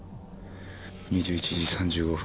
２１時３５分